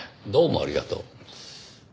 どうもありがとう。